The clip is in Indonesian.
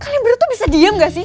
kalian berdua tuh bisa diam gak sih